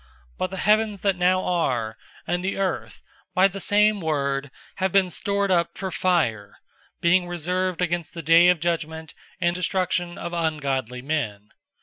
003:007 But the heavens that now are, and the earth, by the same word have been stored up for fire, being reserved against the day of judgment and destruction of ungodly men.